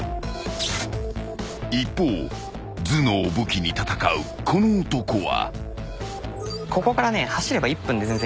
［一方頭脳を武器に戦うこの男は］